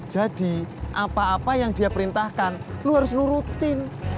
jadi apa apa yang dia perintahkan lo harus lo rutin